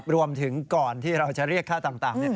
รวมถึงก่อนที่เราจะเรียกค่าต่าง